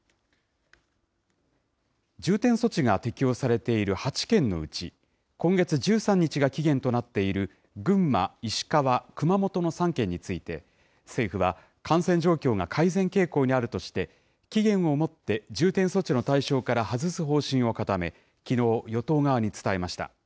重点措置が適用されている８県のうち、今月１３日が期限となっている群馬、石川、熊本の３県について、政府は感染状況が改善傾向にあるとして、期限をもって重点措置の対象から外す方針を固め、きのう、与党側に伝えました。